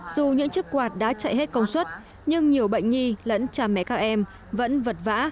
dù những chiếc quạt đã chạy hết công suất nhưng nhiều bệnh nhi lẫn cha mẹ các em vẫn vật vã